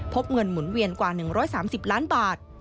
พบเงินหมุนเวียนกว่า๑๓๐ล้านบาท